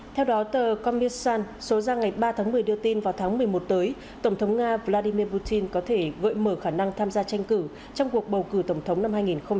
theo đó tờ komiarsan số ra ngày ba tháng một mươi đưa tin vào tháng một mươi một tới tổng thống nga vladimir putin có thể gợi mở khả năng tham gia tranh cử trong cuộc bầu cử tổng thống năm hai nghìn hai mươi